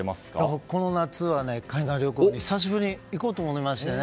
僕、この夏は海外旅行に久しぶりに行こうと思いましてね。